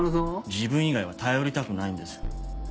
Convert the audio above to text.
自分以外は頼りたくないんです。